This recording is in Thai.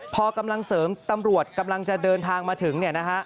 พอกำลังเสริมตำรวจกำลังจะเดินทางมาถึง